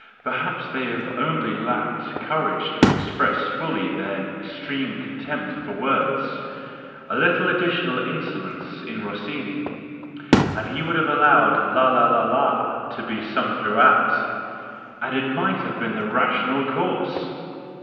Perhaps they have only lacked courage to express fully their extreme contempt for words : a little additional insolence in Rossini, and he would have allowed la la la la to be sung throughout—and it might have been the rational course